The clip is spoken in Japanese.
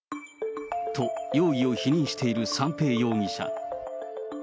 と、容疑を否認している三瓶容疑者。